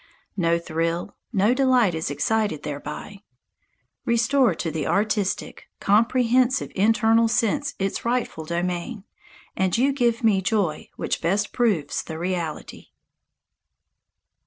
No thrill, no delight is excited thereby. Restore to the artistic, comprehensive internal sense its rightful domain, and you give me joy which best proves the reality.